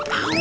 oh kalah itu